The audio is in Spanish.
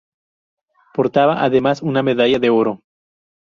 Portaba además una medalla de oro.